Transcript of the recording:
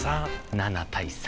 ７対３。